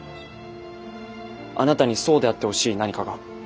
あなたにそうであってほしい何かが。